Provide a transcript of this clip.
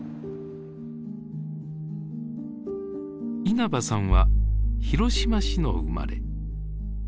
稲葉さんは広島市の生まれ。